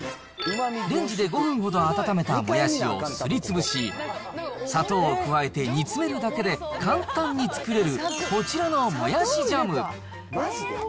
レンジで５分ほど温めたもやしをすりつぶし、砂糖を加えて煮詰めるだけで簡単に作れるこちらのもやしジャム。